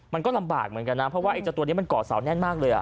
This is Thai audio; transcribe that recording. มันก็ลำบากเหมือนกันนะเพราะว่าไอ้เจ้าตัวนี้มันเกาะเสาแน่นมากเลย